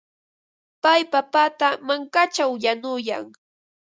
Pay papata mankaćhaw yanuyan.